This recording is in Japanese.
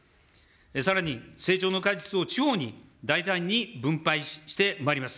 さらに成長の果実を地方に大胆に分配してまいります。